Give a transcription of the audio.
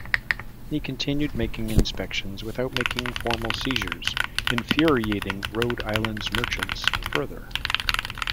He continued making inspections without making formal seizures, infuriating Rhode Island's merchants further.